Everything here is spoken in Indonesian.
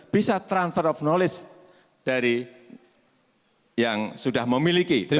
bisa transfer of knowledge dari yang sudah memiliki